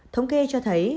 thống kê cho thấy